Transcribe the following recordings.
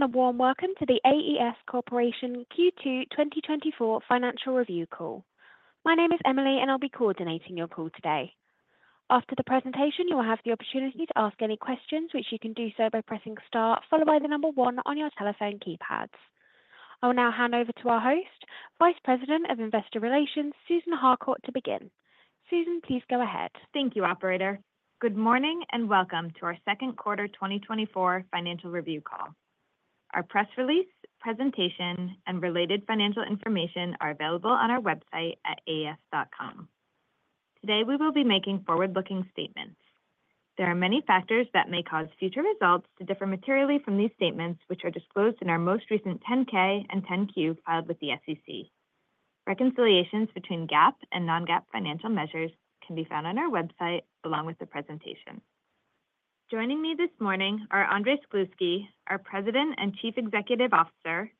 A warm welcome to the AES Corporation Q2 2024 Financial Review Call. My name is Emily, and I'll be coordinating your call today. After the presentation, you will have the opportunity to ask any questions, which you can do so by pressing star followed by the number one on your telephone keypads. I will now hand over to our host, Vice President of Investor Relations, Susan Harcourt, to begin. Susan, please go ahead. Thank you, operator. Good morning, and welcome to our Second Quarter 2024 Financial Review Call. Our press release, presentation, and related financial information are available on our website at aes.com. Today, we will be making forward-looking statements. There are many factors that may cause future results to differ materially from these statements, which are disclosed in our most recent 10-K and 10-Q filed with the SEC. Reconciliations between GAAP and non-GAAP financial measures can be found on our website, along with the presentation. Joining me this morning are Andrés Gluski, our President and Chief Executive Officer,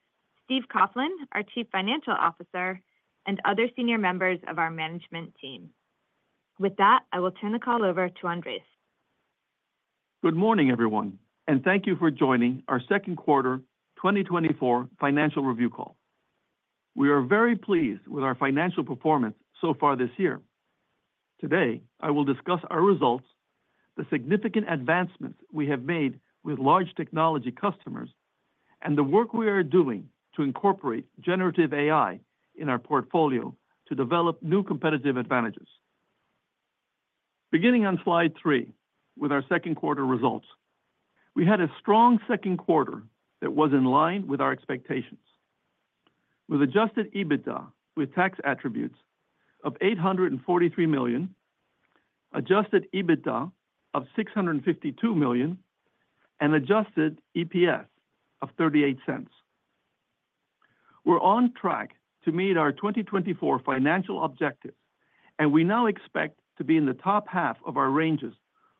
Steve Coughlin, our Chief Financial Officer, and other senior members of our management team. With that, I will turn the call over to Andrés. Good morning, everyone, and thank you for joining our Second Quarter 2024 Financial Review Call. We are very pleased with our financial performance so far this year. Today, I will discuss our results, the significant advancements we have made with large technology customers, and the work we are doing to incorporate generative AI in our portfolio to develop new competitive advantages. Beginning on Slide 3, with our second quarter results, we had a strong second quarter that was in line with our expectations. With adjusted EBITDA with tax attributes of $843 million, adjusted EBITDA of $652 million, and adjusted EPS of $0.38. We're on track to meet our 2024 financial objectives, and we now expect to be in the top half of our ranges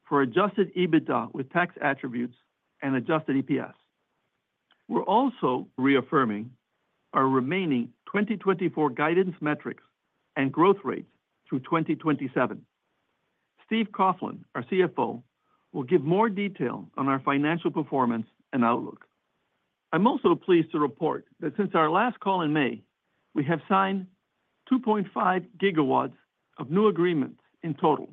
for adjusted EBITDA with tax attributes and adjusted EPS. We're also reaffirming our remaining 2024 guidance metrics and growth rates through 2027. Steve Coughlin, our CFO, will give more detail on our financial performance and outlook. I'm also pleased to report that since our last call in May, we have signed 2.5 GW of new agreements in total,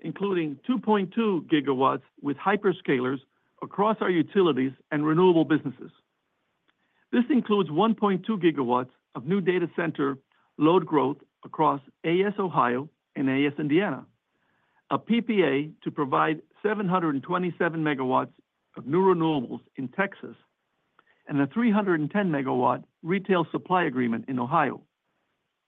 including 2.2 GW with hyperscalers across our utilities and renewable businesses. This includes 1.2 GW of new data center load growth across AES Ohio and AES Indiana, a PPA to provide 727 MW of renewables in Texas, and a 310 MW retail supply agreement in Ohio.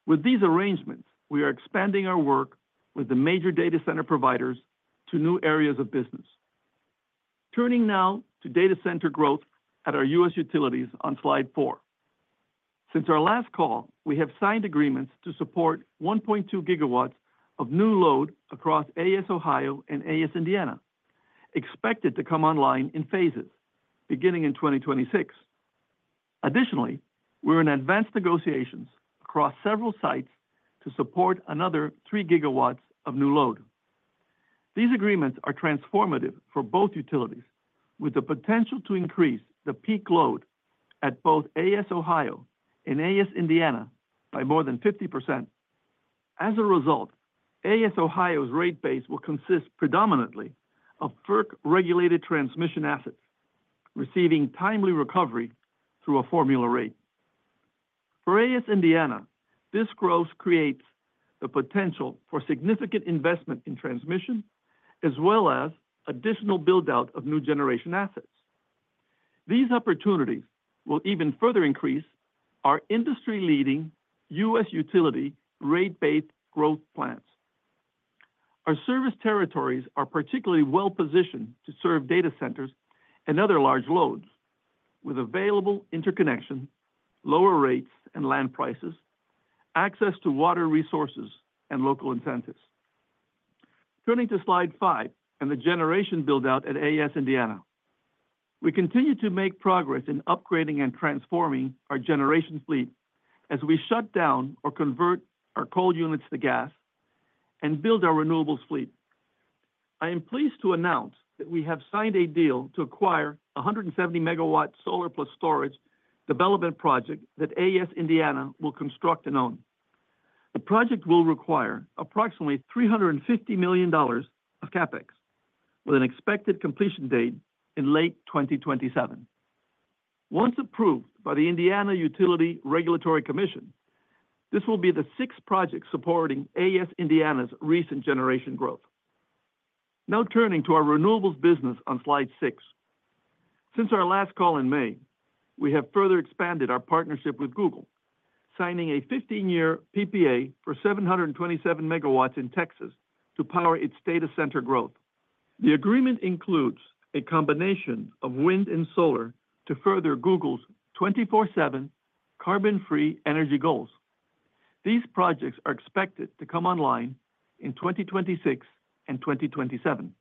With these arrangements, we are expanding our work with the major data center providers to new areas of business. Turning now to data center growth at our US utilities on Slide four. Since our last call, we have signed agreements to support 1.2 gigawatts of new load across AES Ohio and AES Indiana, expected to come online in phases beginning in 2026. Additionally, we're in advanced negotiations across several sites to support another 3 gigawatts of new load. These agreements are transformative for both utilities, with the potential to increase the peak load at both AES Ohio and AES Indiana by more than 50%. As a result, AES Ohio's rate base will consist predominantly of FERC-regulated transmission assets, receiving timely recovery through a formula rate. For AES Indiana, this growth creates the potential for significant investment in transmission, as well as additional build-out of new generation assets. These opportunities will even further increase our industry-leading U.S. utility rate base growth plans. Our service territories are particularly well-positioned to serve data centers and other large loads with available interconnection, lower rates and land prices, access to water resources, and local incentives. Turning to Slide 5 and the generation build-out at AES Indiana. We continue to make progress in upgrading and transforming our generation fleet as we shut down or convert our coal units to gas and build our renewables fleet. I am pleased to announce that we have signed a deal to acquire a 170-MW solar plus storage development project that AES Indiana will construct and own. The project will require approximately $350 million of CapEx, with an expected completion date in late 2027. Once approved by the Indiana Utility Regulatory Commission, this will be the sixth project supporting AES Indiana's recent generation growth. Now turning to our renewables business on Slide 6. Since our last call in May, we have further expanded our partnership with Google, signing a 15-year PPA for 727 MW in Texas to power its data center growth. The agreement includes a combination of wind and solar to further Google's 24/7 carbon-free energy goals. These projects are expected to come online in 2026 and 2027.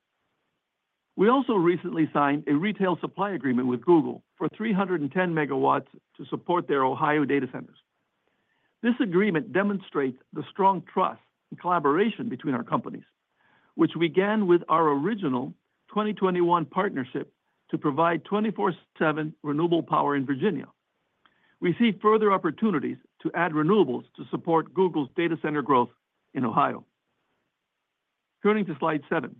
We also recently signed a retail supply agreement with Google for 310 MW to support their Ohio data centers.... This agreement demonstrates the strong trust and collaboration between our companies, which began with our original 2021 partnership to provide 24/7 renewable power in Virginia. We see further opportunities to add renewables to support Google's data center growth in Ohio. Turning to Slide 7.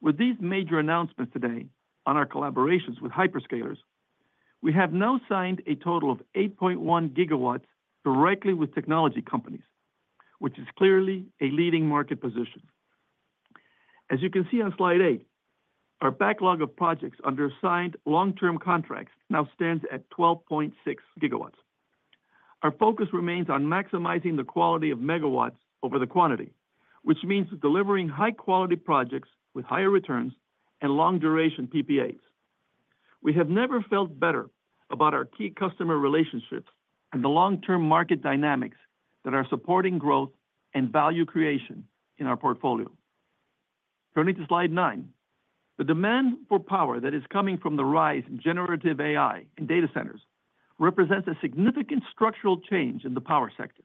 With these major announcements today on our collaborations with hyperscalers, we have now signed a total of 8.1 GW directly with technology companies, which is clearly a leading market position. As you can see on Slide 8, our backlog of projects under signed long-term contracts now stands at 12.6 GW. Our focus remains on maximizing the quality of megawatts over the quantity, which means delivering high-quality projects with higher returns and long-duration PPAs. We have never felt better about our key customer relationships and the long-term market dynamics that are supporting growth and value creation in our portfolio. Turning to Slide 9. The demand for power that is coming from the rise in generative AI and data centers represents a significant structural change in the power sector,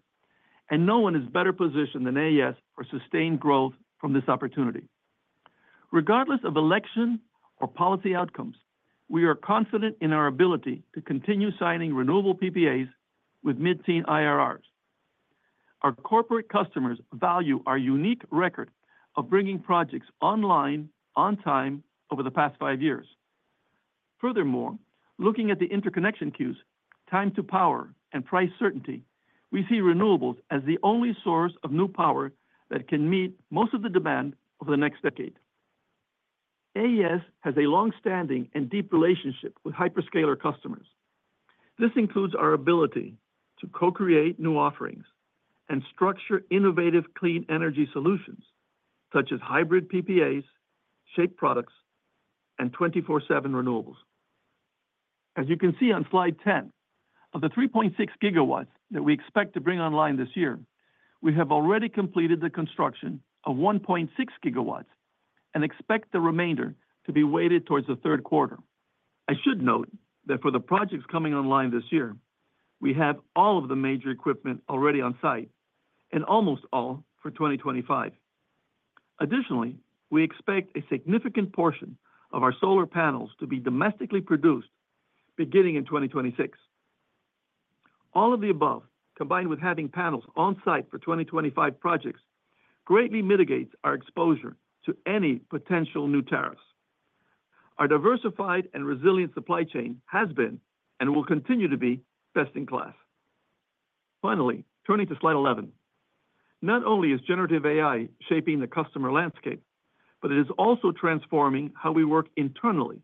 and no one is better positioned than AES for sustained growth from this opportunity. Regardless of election or policy outcomes, we are confident in our ability to continue signing renewable PPAs with mid-teen IRRs. Our corporate customers value our unique record of bringing projects online, on time, over the past five years. Furthermore, looking at the interconnection queues, time to power, and price certainty, we see renewables as the only source of new power that can meet most of the demand over the next decade. AES has a long-standing and deep relationship with hyperscaler customers. This includes our ability to co-create new offerings and structure innovative, clean energy solutions, such as hybrid PPAs, shape products, and 24/7 renewables. As you can see on Slide 10, of the 3.6 gigawatts that we expect to bring online this year, we have already completed the construction of 1.6 gigawatts and expect the remainder to be weighted towards the third quarter. I should note that for the projects coming online this year, we have all of the major equipment already on site and almost all for 2025. Additionally, we expect a significant portion of our solar panels to be domestically produced beginning in 2026. All of the above, combined with having panels on site for 2025 projects, greatly mitigates our exposure to any potential new tariffs. Our diversified and resilient supply chain has been, and will continue to be, best in class. Finally, turning to Slide 11. Not only is generative AI shaping the customer landscape, but it is also transforming how we work internally,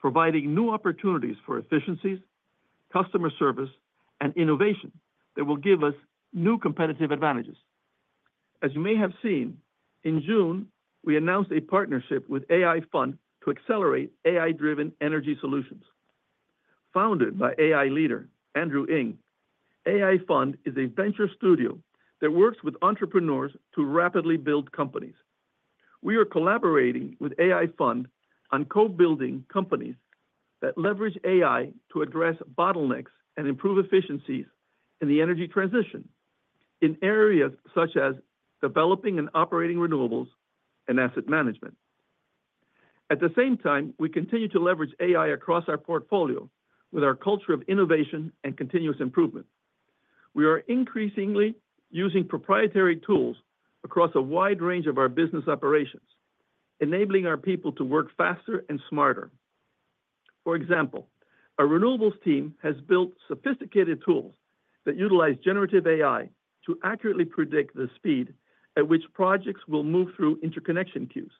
providing new opportunities for efficiencies, customer service, and innovation that will give us new competitive advantages. As you may have seen, in June, we announced a partnership with AI Fund to accelerate AI-driven energy solutions. Founded by AI leader, Andrew Ng, AI Fund is a venture studio that works with entrepreneurs to rapidly build companies. We are collaborating with AI Fund on co-building companies that leverage AI to address bottlenecks and improve efficiencies in the energy transition, in areas such as developing and operating renewables and asset management. At the same time, we continue to leverage AI across our portfolio with our culture of innovation and continuous improvement. We are increasingly using proprietary tools across a wide range of our business operations, enabling our people to work faster and smarter. For example, our renewables team has built sophisticated tools that utilize generative AI to accurately predict the speed at which projects will move through interconnection queues,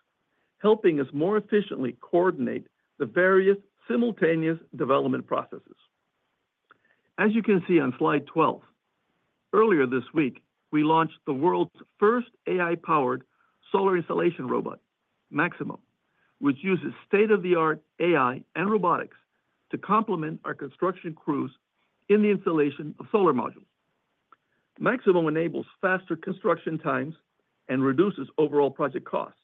helping us more efficiently coordinate the various simultaneous development processes. As you can see on Slide 12, earlier this week, we launched the world's first AI-powered solar installation robot, Maximo, which uses state-of-the-art AI and robotics to complement our construction crews in the installation of solar modules. Maximo enables faster construction times and reduces overall project costs.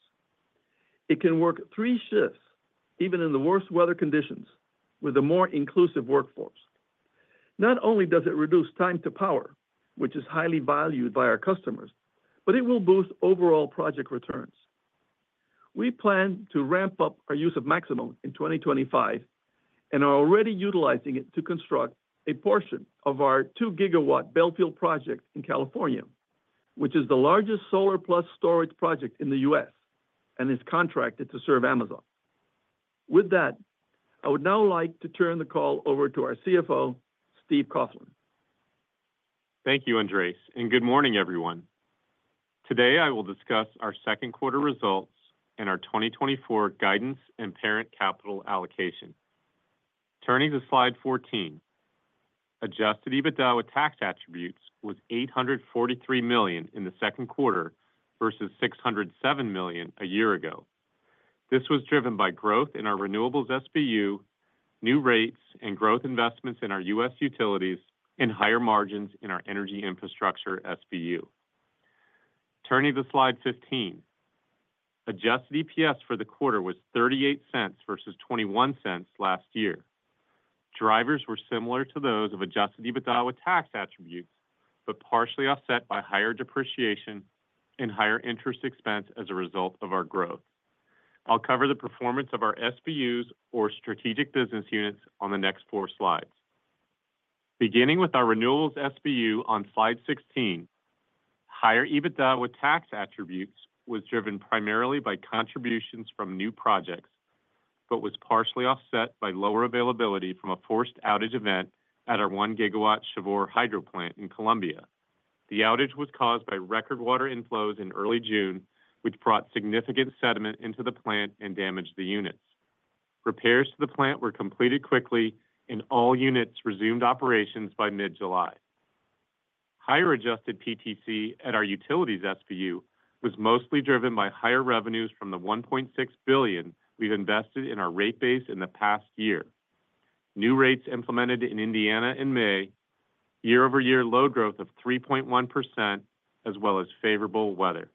It can work three shifts, even in the worst weather conditions, with a more inclusive workforce. Not only does it reduce time to power, which is highly valued by our customers, but it will boost overall project returns. We plan to ramp up our use of Maximo in 2025 and are already utilizing it to construct a portion of our 2-GW Bellefield project in California, which is the largest solar plus storage project in the U.S. and is contracted to serve Amazon. With that, I would now like to turn the call over to our CFO, Steve Coughlin. Thank you, Andrés, and good morning, everyone. Today, I will discuss our second quarter results and our 2024 guidance and parent capital allocation. Turning to Slide 14, adjusted EBITDA with tax attributes was $843 million in the second quarter versus $607 million a year ago. This was driven by growth in our renewables SBU, new rates and growth investments in our U.S. utilities, and higher margins in our energy infrastructure SBU. Turning to Slide 15. Adjusted EPS for the quarter was $0.38 versus $0.21 last year. Drivers were similar to those of adjusted EBITDA with tax attributes, but partially offset by higher depreciation and higher interest expense as a result of our growth. I'll cover the performance of our SBUs or strategic business units on the next four slides. Beginning with our renewables SBU on Slide 16, higher EBITDA with tax attributes was driven primarily by contributions from new projects, but was partially offset by lower availability from a forced outage event at our 1-GW Chivor hydro plant in Colombia. The outage was caused by record water inflows in early June, which brought significant sediment into the plant and damaged the units. Repairs to the plant were completed quickly, and all units resumed operations by mid-July. Higher adjusted PTC at our utilities SBU was mostly driven by higher revenues from the $1.6 billion we've invested in our rate base in the past year. New rates implemented in Indiana in May, year-over-year load growth of 3.1%, as well as favorable weather.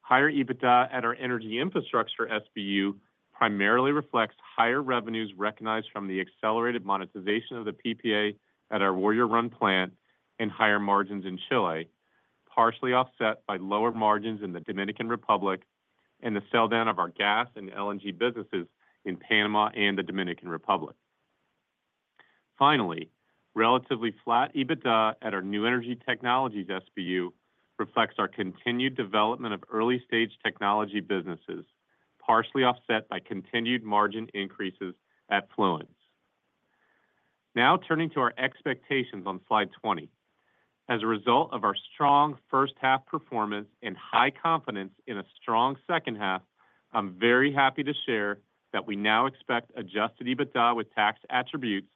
Higher EBITDA at our energy infrastructure SBU primarily reflects higher revenues recognized from the accelerated monetization of the PPA at our Warrior Run plant and higher margins in Chile, partially offset by lower margins in the Dominican Republic and the sell down of our gas and LNG businesses in Panama and the Dominican Republic. Finally, relatively flat EBITDA at our new energy technologies SBU reflects our continued development of early-stage technology businesses, partially offset by continued margin increases at Fluence. Now, turning to our expectations on Slide 20. As a result of our strong first half performance and high confidence in a strong second half, I'm very happy to share that we now expect adjusted EBITDA with tax attributes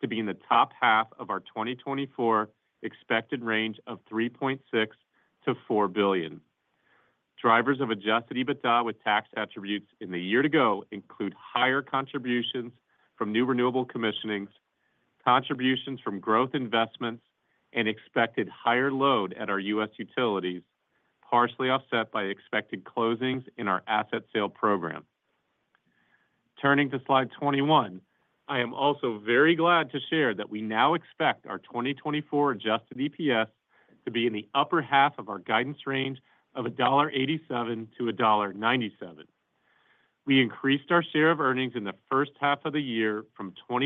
to be in the top half of our 2024 expected range of $3.6 billion-$4 billion. Drivers of Adjusted EBITDA with tax attributes in the year to go include higher contributions from new renewable commissionings, contributions from growth investments, and expected higher load at our U.S. utilities, partially offset by expected closings in our asset sale program. Turning to Slide 21, I am also very glad to share that we now expect our 2024 Adjusted EPS to be in the upper half of our guidance range of $1.87-$1.97. We increased our share of earnings in the first half of the year from 25%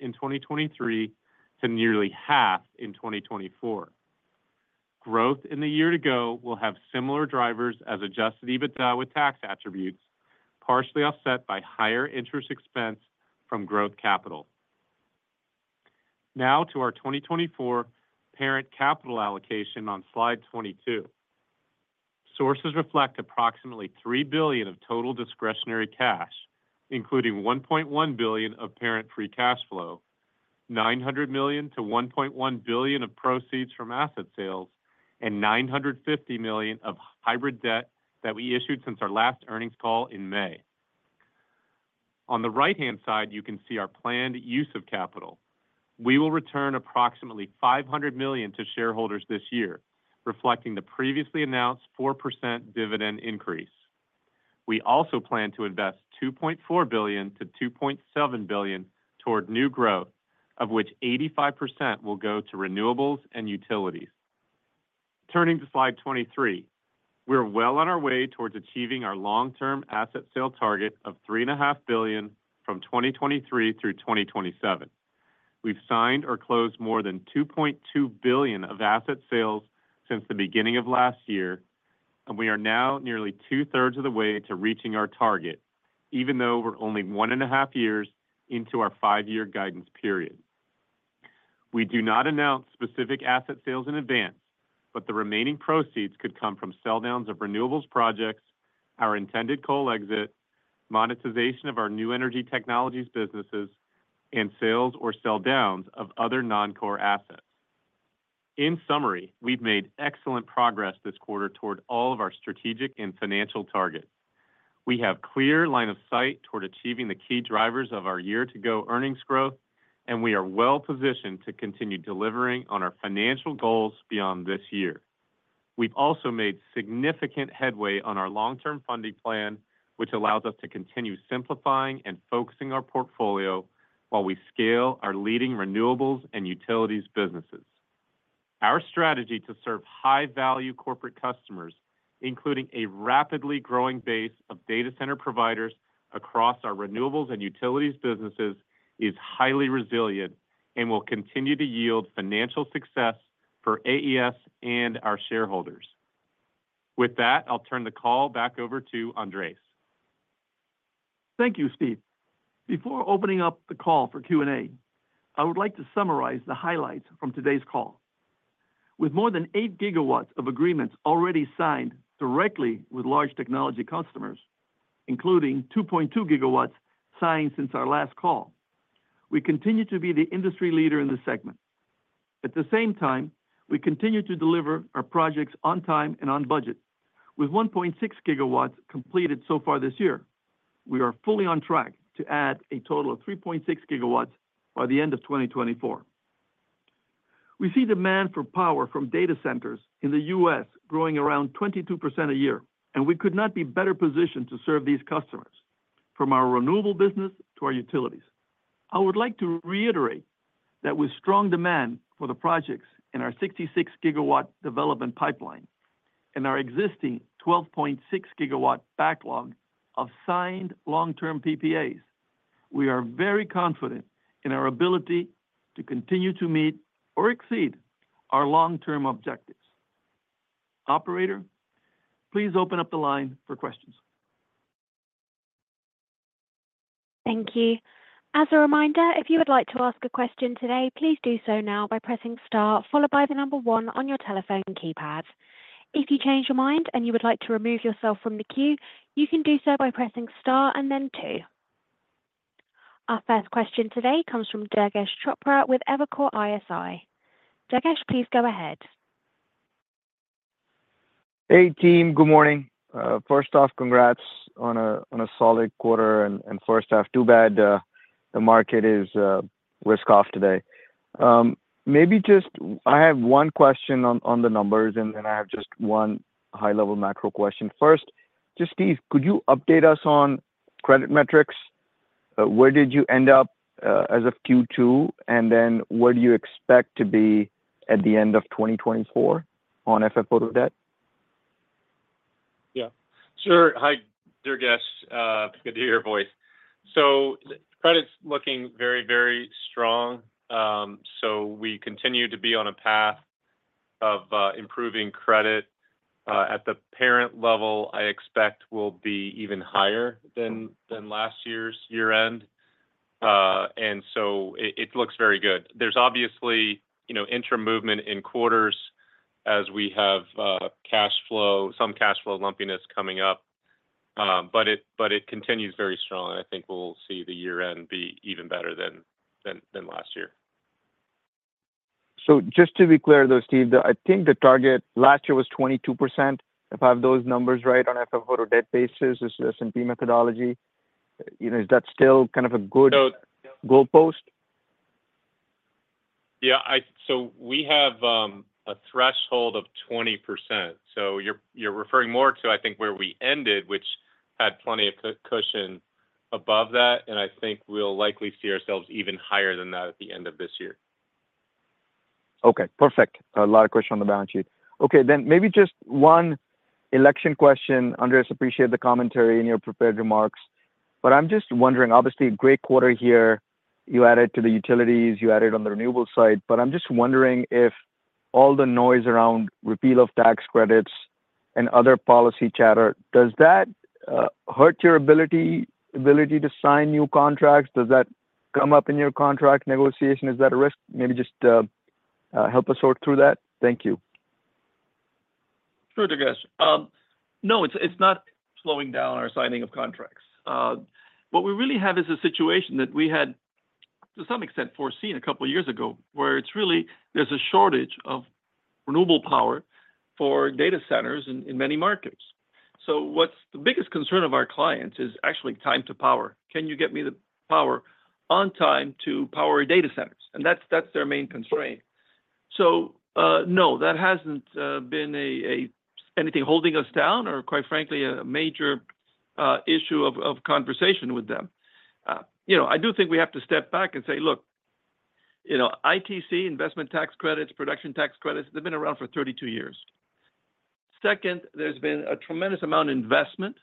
in 2023 to nearly half in 2024. Growth in the year to go will have similar drivers as Adjusted EBITDA with tax attributes, partially offset by higher interest expense from growth capital. Now to our 2024 parent capital allocation on Slide 22. Sources reflect approximately $3 billion of total discretionary cash, including $1.1 billion of Parent Free Cash Flow, $900 million-$1.1 billion of proceeds from asset sales, and $950 million of hybrid debt that we issued since our last earnings call in May. On the right-hand side, you can see our planned use of capital. We will return approximately $500 million to shareholders this year, reflecting the previously announced 4% dividend increase. We also plan to invest $2.4 billion-$2.7 billion toward new growth, of which 85% will go to renewables and utilities. Turning to Slide 23. We're well on our way towards achieving our long-term asset sale target of $3.5 billion from 2023 through 2027. We've signed or closed more than $2.2 billion of asset sales since the beginning of last year, and we are now nearly two-thirds of the way to reaching our target, even though we're only 1.5 years into our 5-year guidance period. We do not announce specific asset sales in advance, but the remaining proceeds could come from sell downs of renewables projects, our intended coal exit, monetization of our new energy technologies businesses, and sales or sell downs of other non-core assets. In summary, we've made excellent progress this quarter toward all of our strategic and financial targets. We have clear line of sight toward achieving the key drivers of our year-to-go earnings growth, and we are well positioned to continue delivering on our financial goals beyond this year. We've also made significant headway on our long-term funding plan, which allows us to continue simplifying and focusing our portfolio while we scale our leading renewables and utilities businesses. Our strategy to serve high-value corporate customers, including a rapidly growing base of data center providers across our renewables and utilities businesses, is highly resilient and will continue to yield financial success for AES and our shareholders. With that, I'll turn the call back over to Andrés. Thank you, Steve. Before opening up the call for Q&A, I would like to summarize the highlights from today's call. With more than 8 gigawatts of agreements already signed directly with large technology customers, including 2.2 gigawatts signed since our last call, we continue to be the industry leader in the segment. At the same time, we continue to deliver our projects on time and on budget, with 1.6 gigawatts completed so far this year. We are fully on track to add a total of 3.6 gigawatts by the end of 2024. We see demand for power from data centers in the US growing around 22% a year, and we could not be better positioned to serve these customers, from our renewable business to our utilities. I would like to reiterate that with strong demand for the projects in our 66 GW development pipeline and our existing 12.6 GW backlog of signed long-term PPAs, we are very confident in our ability to continue to meet or exceed our long-term objectives. Operator, please open up the line for questions. Thank you. As a reminder, if you would like to ask a question today, please do so now by pressing star, followed by the number one on your telephone keypad. If you change your mind and you would like to remove yourself from the queue, you can do so by pressing star and then two. Our first question today comes from Durgesh Chopra with Evercore ISI. Durgesh, please go ahead. Hey, team, good morning. First off, congrats on a solid quarter and first half. Too bad the market is risk off today. Maybe just—I have one question on the numbers, and then I have just one high-level macro question. First, just, Steve, could you update us on credit metrics? Where did you end up as of Q2, and then where do you expect to be at the end of 2024 on FFO debt? Yeah. Sure. Hi, Durgesh. Good to hear your voice. So credit's looking very, very strong. So we continue to be on a path of improving credit. At the parent level, I expect will be even higher than last year's year-end. And so it looks very good. There's obviously, you know, interim movement in quarters as we have cash flow, some cash flow lumpiness coming up. But it continues very strong, and I think we'll see the year-end be even better than last year. So just to be clear, though, Steve, I think the target last year was 22%, if I have those numbers right, on FFO debt basis, the S&P methodology. You know, is that still kind of a good- So- - goalpost? Yeah. So we have a threshold of 20%. So you're referring more to, I think, where we ended, which had plenty of cushion above that, and I think we'll likely see ourselves even higher than that at the end of this year. Okay, perfect. A lot of question on the balance sheet. Okay, then maybe just one election question. Andres, appreciate the commentary in your prepared remarks. But I'm just wondering, obviously, a great quarter here. You added to the utilities, you added on the renewable side. But I'm just wondering if all the noise around repeal of tax credits and other policy chatter, does that hurt your ability to sign new contracts? Does that come up in your contract negotiation? Is that a risk? Maybe just help us sort through that. Thank you. Sure, Durgesh. No, it's not slowing down our signing of contracts. What we really have is a situation that we had, to some extent, foreseen a couple of years ago, where there's really a shortage of renewable power for data centers in many markets. So what's the biggest concern of our clients is actually time to power. Can you get me the power on time to power data centers? And that's their main constraint. So, no, that hasn't been anything holding us down or quite frankly, a major issue of conversation with them. You know, I do think we have to step back and say, look, you know, ITC, investment tax credits, production tax credits, they've been around for 32 years. Second, there's been a tremendous amount of investment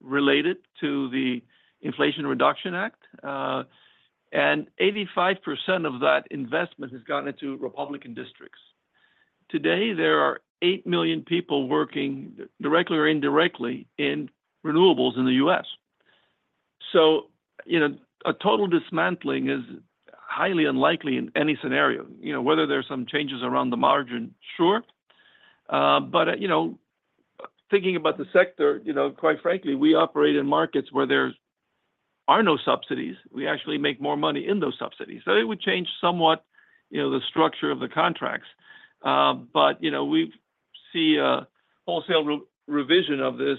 related to the Inflation Reduction Act, and 85% of that investment has gone into Republican districts. Today, there are 8 million people working directly or indirectly in renewables in the US. So, you know, a total dismantling is highly unlikely in any scenario. You know, whether there are some changes around the margin, sure. But, you know, thinking about the sector, you know, quite frankly, we operate in markets where there are no subsidies. We actually make more money in those subsidies. So it would change somewhat, you know, the structure of the contracts. But, you know, we see a wholesale re-revision of this,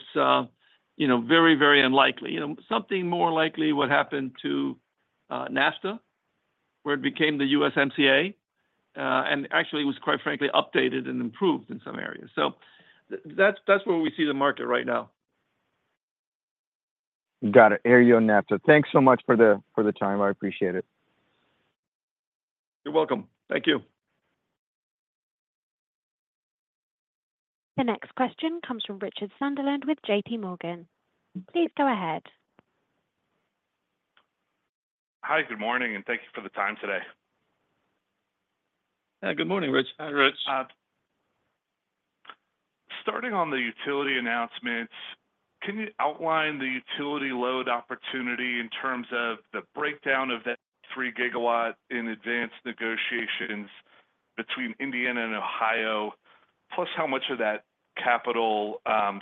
you know, very, very unlikely. You know, something more likely what happened to NAFTA, where it became the USMCA, and actually it was, quite frankly, updated and improved in some areas. So that's, that's where we see the market right now. Got it. I agree on NAFTA. Thanks so much for the, for the time. I appreciate it. You're welcome. Thank you. The next question comes from Richard Sunderland with JPMorgan. Please go ahead. Hi, good morning, and thank you for the time today. Yeah, good morning, Rich. Hi, Rich. Starting on the utility announcements, can you outline the utility load opportunity in terms of the breakdown of that 3 GW in advanced negotiations between Indiana and Ohio, plus how much of that capital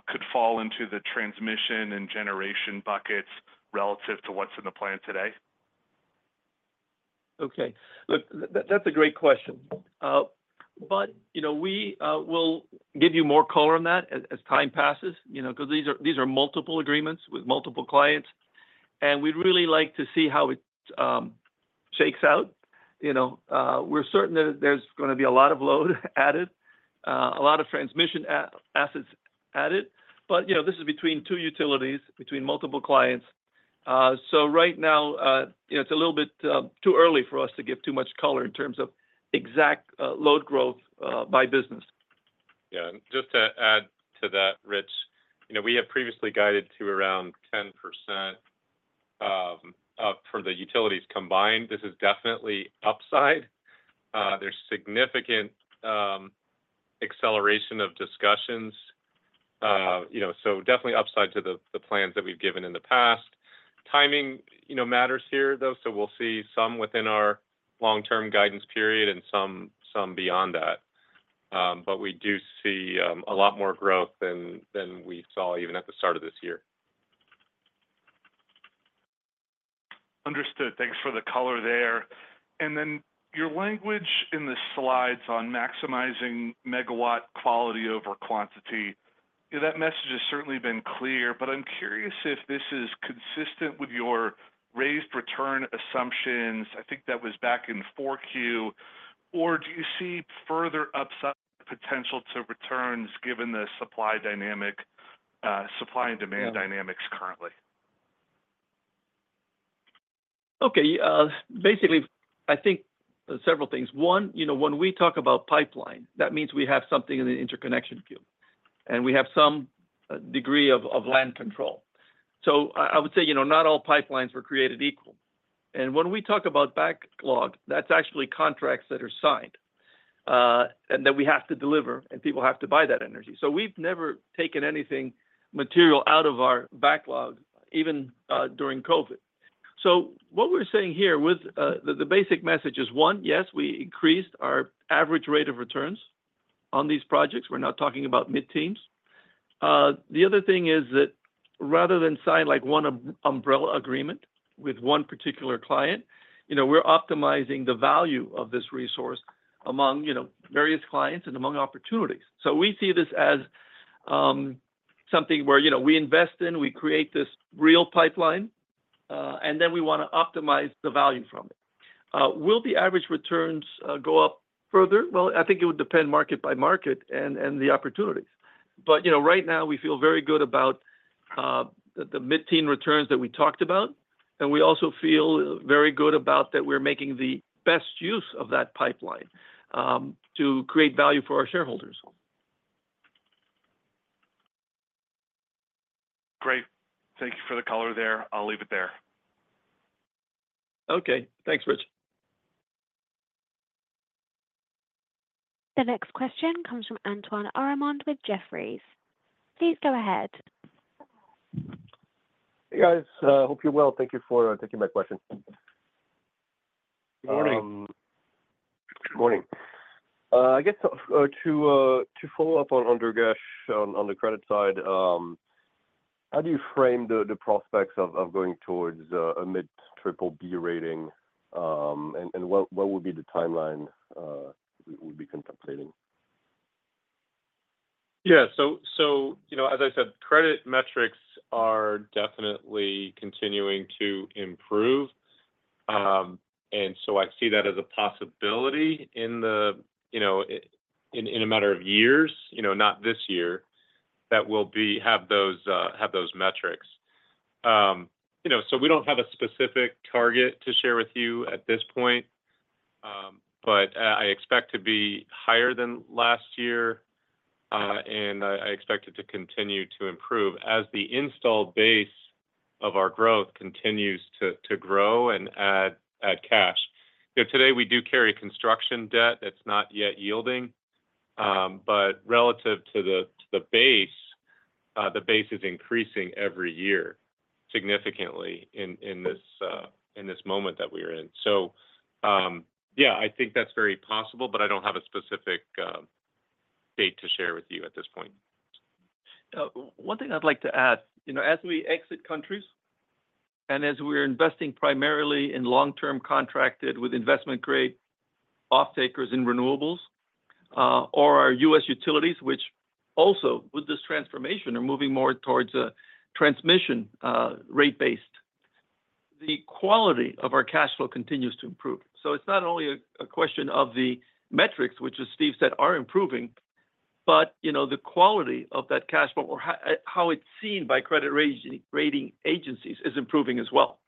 could fall into the transmission and generation buckets relative to what's in the plan today? Okay. Look, that's a great question. But, you know, we will give you more color on that as time passes, you know, 'cause these are multiple agreements with multiple clients, and we'd really like to see how it shakes out. You know, we're certain that there's gonna be a lot of load added, a lot of transmission assets added, but, you know, this is between two utilities, between multiple clients. So right now, you know, it's a little bit too early for us to give too much color in terms of exact load growth by business. Yeah. And just to add to that, Rich, you know, we have previously guided to around 10%, for the utilities combined. This is definitely upside. There's significant acceleration of discussions, you know, so definitely upside to the plans that we've given in the past. Timing, you know, matters here, though, so we'll see some within our long-term guidance period and some beyond that. But we do see a lot more growth than we saw even at the start of this year. Understood. Thanks for the color there. And then, your language in the slides on maximizing megawatt quality over quantity, you know, that message has certainly been clear, but I'm curious if this is consistent with your raised return assumptions, I think that was back in 4Q, or do you see further upside potential to returns given the supply dynamic, supply and demand- Yeah -dynamics currently? Okay. Basically, I think several things. One, you know, when we talk about pipeline, that means we have something in the interconnection queue, and we have some degree of land control. So I would say, you know, not all pipelines were created equal. And when we talk about backlog, that's actually contracts that are signed, and that we have to deliver, and people have to buy that energy. So we've never taken anything material out of our backlog, even during COVID. So what we're saying here with the basic message is, one, yes, we increased our average rate of returns on these projects. We're not talking about mid-teens. The other thing is that rather than sign, like, one umbrella agreement with one particular client, you know, we're optimizing the value of this resource among, you know, various clients and among opportunities. So we see this as, something where, you know, we invest in, we create this real pipeline, and then we wanna optimize the value from it. Will the average returns, go up further? Well, I think it would depend market by market and, and the opportunities. But, you know, right now, we feel very good about, the, the mid-teen returns that we talked about, and we also feel very good about that we're making the best use of that pipeline, to create value for our shareholders. Great. Thank you for the color there. I'll leave it there. Okay. Thanks, Rich. The next question comes from Antoine Aurimond with Jefferies. Please go ahead. Hey, guys. Hope you're well. Thank you for taking my question. Good morning. Good morning. I guess to follow up on Andrés on the credit side, how do you frame the prospects of going towards a mid BBB rating? And what would be the timeline we would be contemplating? Yeah. So, you know, as I said, credit metrics are definitely continuing to improve. And so I see that as a possibility in the, you know, a matter of years, you know, not this year, that we'll have those metrics. You know, so we don't have a specific target to share with you at this point, but I expect to be higher than last year, and I expect it to continue to improve as the installed base of our growth continues to grow and add cash. You know, today, we do carry construction debt that's not yet yielding, but relative to the base, the base is increasing every year, significantly in this moment that we're in. Yeah, I think that's very possible, but I don't have a specific date to share with you at this point. One thing I'd like to add, you know, as we exit countries, and as we're investing primarily in long-term contracted with investment-grade off-takers in renewables, or our U.S. utilities, which also, with this transformation, are moving more towards a transmission rate base, the quality of our cash flow continues to improve. So it's not only a question of the metrics, which as Steve said, are improving, but, you know, the quality of that cash flow or how it's seen by credit rating agencies is improving as well.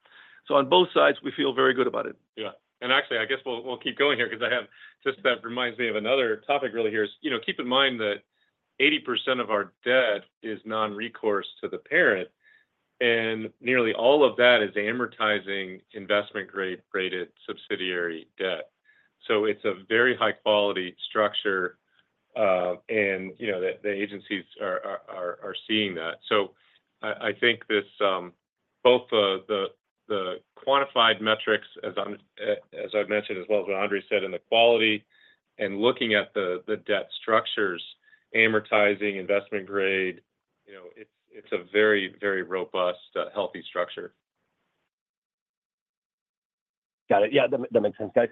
So on both sides, we feel very good about it. Yeah. Actually, I guess we'll keep going here because I have just that reminds me of another topic really here is, you know, keep in mind that 80% of our debt is non-recourse to the parent, and nearly all of that is amortizing investment-grade rated subsidiary debt. So it's a very high-quality structure, and, you know, the agencies are seeing that. So I think this both the quantified metrics, as I've mentioned, as well as what Andres said, and the quality and looking at the debt structures, amortizing, investment-grade. It's a very, very robust, healthy structure. Got it. Yeah, that makes sense. Guys,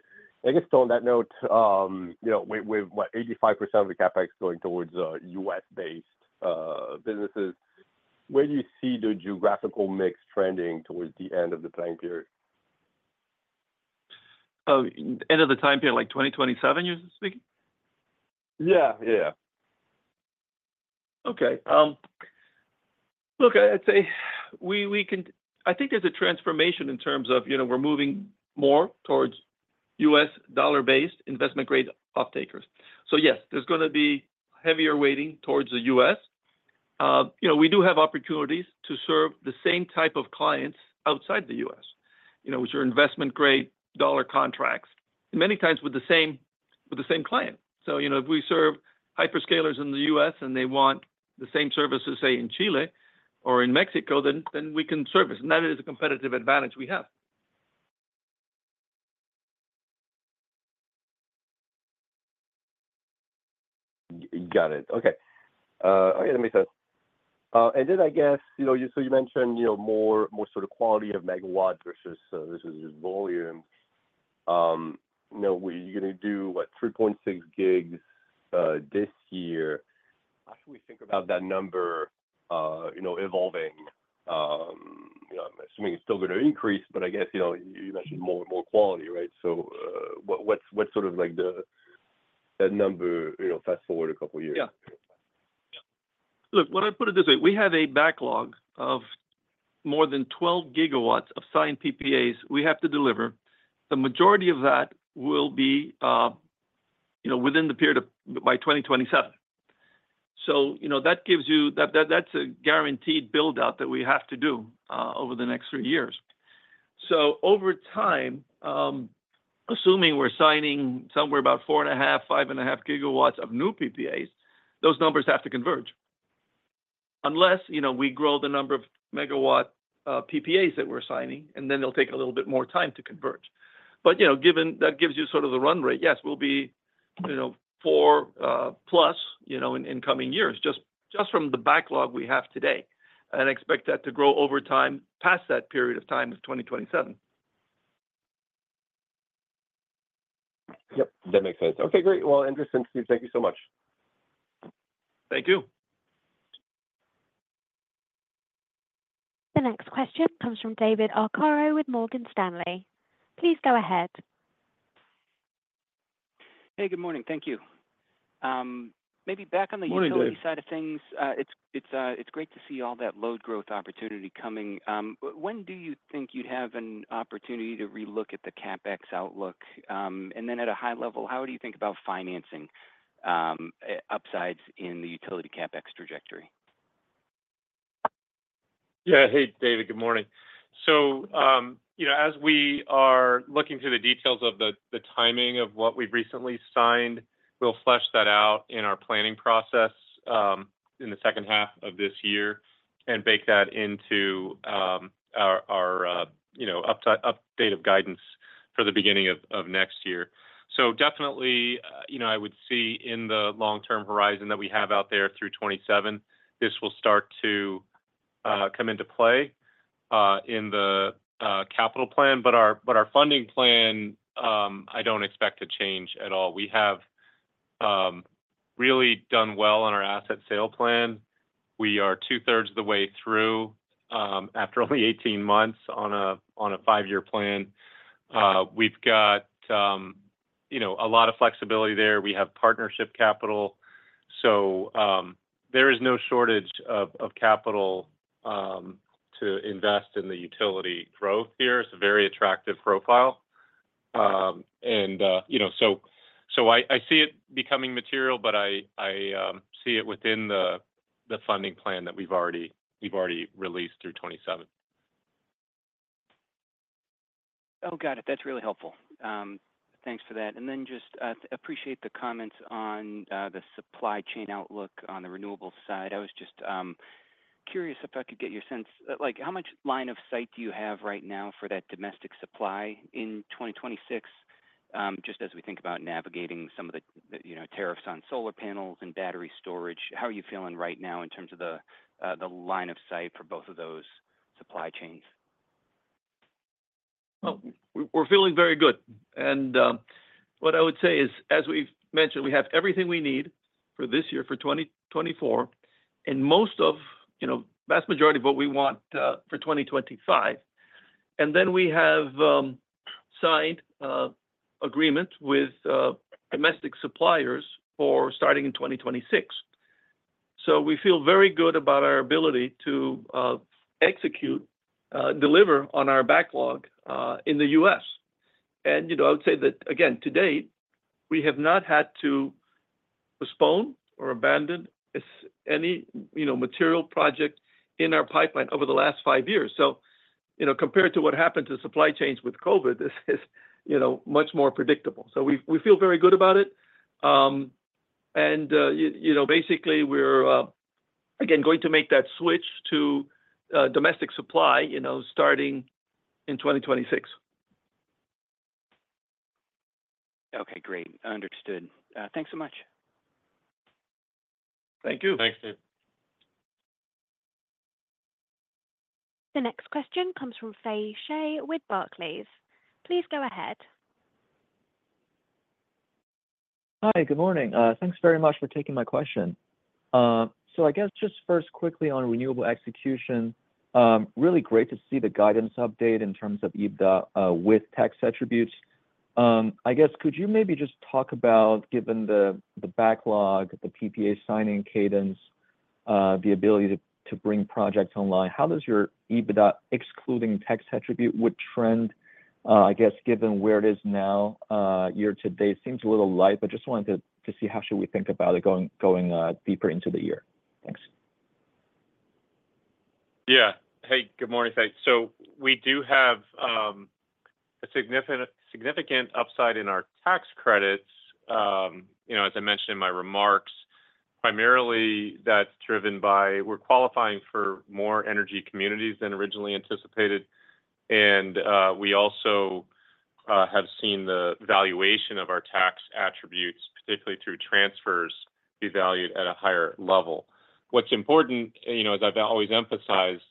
I guess on that note, you know, with what? 85% of the CapEx going towards US-based businesses, where do you see the geographical mix trending towards the end of the time period? Oh, end of the time period, like 2027, you're speaking? Yeah, yeah. Okay. Look, I'd say I think there's a transformation in terms of, you know, we're moving more towards U.S. dollar-based investment-grade off-takers. So yes, there's gonna be heavier weighting towards the U.S. You know, we do have opportunities to serve the same type of clients outside the U.S., you know, with your investment-grade dollar contracts, and many times with the same, with the same client. So, you know, if we serve hyperscalers in the U.S. and they want the same service as, say, in Chile or in Mexico, then we can service. And that is a competitive advantage we have. Got it. Okay. Okay, that makes sense. And then I guess, you know, you—so you mentioned, you know, more sort of quality of megawatts versus versus just volume. You know, were you gonna do, what, 3.6 gigs this year? How should we think about that number, you know, evolving? You know, I'm assuming it's still gonna increase, but I guess, you know, you mentioned more and more quality, right? So, what, what's sort of like the, that number, you know, fast-forward a couple years? Yeah. Yeah. Look, let me put it this way: we have a backlog of more than 12 GW of signed PPAs we have to deliver. The majority of that will be, you know, within the period of by 2027. So, you know, that gives you... That, that, that's a guaranteed build-out that we have to do over the next three years. So over time, assuming we're signing somewhere about 4.5-5.5 GW of new PPAs, those numbers have to converge. Unless, you know, we grow the number of megawatt PPAs that we're signing, and then they'll take a little bit more time to converge. But, you know, given that gives you sort of the run rate. Yes, we'll be, you know, 4+, you know, in coming years, just from the backlog we have today, and expect that to grow over time, past that period of time of 2027. Yep, that makes sense. Okay, great. Well, interesting, Steve. Thank you so much. Thank you. The next question comes from David Arcaro with Morgan Stanley. Please go ahead. Hey, good morning. Thank you. Maybe back on the- Good morning, David.... utility side of things, it's great to see all that load growth opportunity coming. But when do you think you'd have an opportunity to relook at the CapEx outlook? And then at a high level, how do you think about financing upsides in the utility CapEx trajectory? Yeah. Hey, David, good morning. So, you know, as we are looking through the details of the timing of what we've recently signed, we'll flesh that out in our planning process, in the second half of this year and bake that into, our, you know, updated guidance for the beginning of next year. So definitely, you know, I would see in the long-term horizon that we have out there through 2027, this will start to come into play, in the capital plan. But our funding plan, I don't expect to change at all. We have really done well on our asset sale plan. We are two-thirds of the way through, after only 18 months on a 5-year plan. We've got, you know, a lot of flexibility there. We have partnership capital, so there is no shortage of capital to invest in the utility growth here. It's a very attractive profile. You know, so I see it becoming material, but I see it within the funding plan that we've already released through 2027. Oh, got it. That's really helpful. Thanks for that. And then just, appreciate the comments on, the supply chain outlook on the renewables side. I was just, curious if I could get your sense... Like, how much line of sight do you have right now for that domestic supply in 2026? Just as we think about navigating some of the, you know, tariffs on solar panels and battery storage, how are you feeling right now in terms of the line of sight for both of those supply chains? Well, we're feeling very good. And what I would say is, as we've mentioned, we have everything we need for this year, for 2024, and most of, you know, vast majority of what we want for 2025. And then we have signed agreements with domestic suppliers for starting in 2026. So we feel very good about our ability to execute deliver on our backlog in the U.S. And, you know, I would say that, again, to date, we have not had to postpone or abandon as any, you know, material project in our pipeline over the last 5 years. So, you know, compared to what happened to supply chains with COVID, this is, you know, much more predictable. So we feel very good about it. You know, basically, we're again going to make that switch to domestic supply, you know, starting in 2026.... Great, understood. Thanks so much. Thank you. Thanks, Dave. The next question comes from Faye Sheh with Barclays. Please go ahead. Hi, good morning. Thanks very much for taking my question. So I guess just first quickly on renewable execution, really great to see the guidance update in terms of EBITDA with tax attributes. I guess could you maybe just talk about, given the backlog, the PPA signing cadence, the ability to bring projects online, how does your EBITDA, excluding tax attribute, would trend, I guess, given where it is now, year to date? Seems a little light, but just wanted to see how should we think about it going deeper into the year. Thanks. Yeah. Hey, good morning, Faye. So we do have a significant, significant upside in our tax credits. You know, as I mentioned in my remarks, primarily that's driven by we're qualifying for more energy communities than originally anticipated. And we also have seen the valuation of our tax attributes, particularly through transfers, be valued at a higher level. What's important, you know, as I've always emphasized,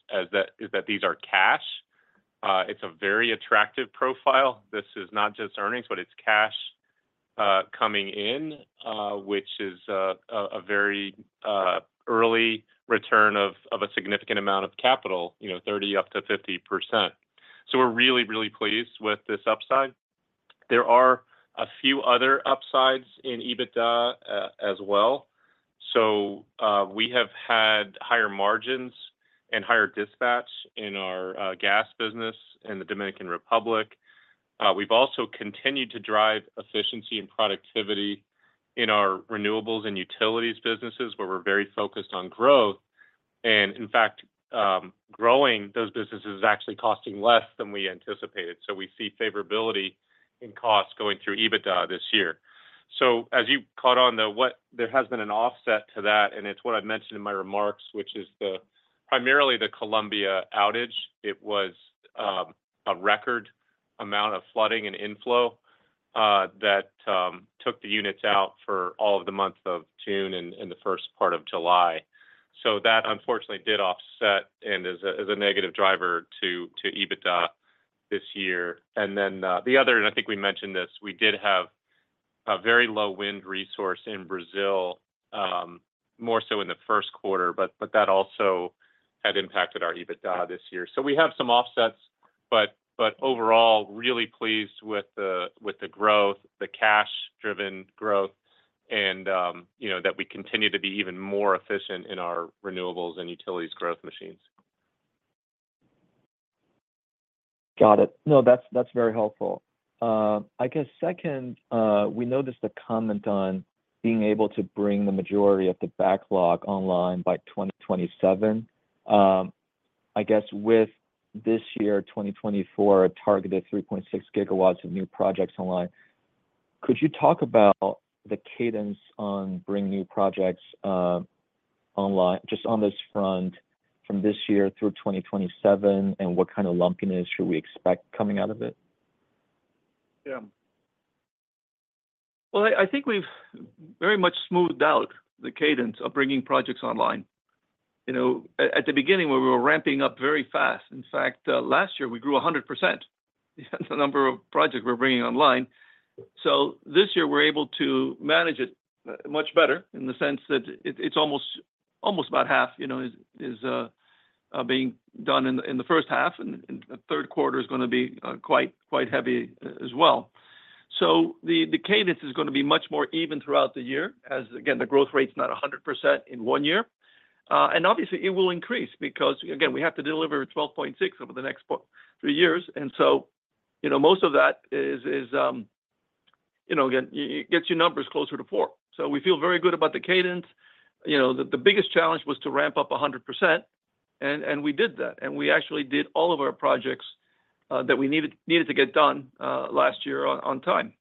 is that these are cash. It's a very attractive profile. This is not just earnings, but it's cash coming in, which is a very early return of a significant amount of capital, you know, 30%-50%. So we're really, really pleased with this upside. There are a few other upsides in EBITDA, as well. So, we have had higher margins and higher dispatch in our gas business in the Dominican Republic. We've also continued to drive efficiency and productivity in our renewables and utilities businesses, where we're very focused on growth. And in fact, growing those businesses is actually costing less than we anticipated. So we see favorability in costs going through EBITDA this year. So as you caught on, though, there has been an offset to that, and it's what I've mentioned in my remarks, which is primarily the Colombia outage. It was a record amount of flooding and inflow that took the units out for all of the month of June and the first part of July. So that, unfortunately, did offset and is a negative driver to EBITDA this year. And then, the other, and I think we mentioned this, we did have a very low wind resource in Brazil, more so in the first quarter, but that also had impacted our EBITDA this year. So we have some offsets, but overall, really pleased with the growth, the cash-driven growth, and, you know, that we continue to be even more efficient in our renewables and utilities growth machines. Got it. No, that's, that's very helpful. I guess second, we noticed a comment on being able to bring the majority of the backlog online by 2027. I guess with this year, 2024, a targeted 3.6 GW of new projects online, could you talk about the cadence on bringing new projects online, just on this front from this year through 2027, and what kind of lumpiness should we expect coming out of it? Yeah. Well, I think we've very much smoothed out the cadence of bringing projects online. You know, at the beginning, we were ramping up very fast. In fact, last year we grew 100%. That's the number of projects we're bringing online. So this year we're able to manage it much better in the sense that it's almost about half, you know, being done in the first half, and the third quarter is gonna be quite heavy as well. So the cadence is gonna be much more even throughout the year, as again, the growth rate is not 100% in one year. And obviously, it will increase because again, we have to deliver 12.6 over the next three years. And so, you know, most of that is, you know, again, it gets your numbers closer to four. So we feel very good about the cadence. You know, the biggest challenge was to ramp up 100%, and we did that, and we actually did all of our projects that we needed to get done last year on time.